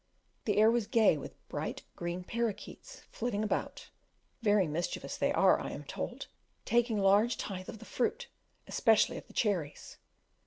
The air was gay with bright green parroquets flitting about, very mischievous they are, I am told, taking large tithe of the fruit, especially of the cherries.